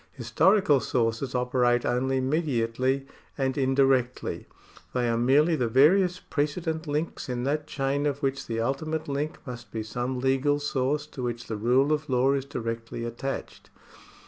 Historical sources operate only mediately and indirectly. They are merely the various precedent links in that chain of which the ultimate link must be some legal source to which the rule of law is directly attached.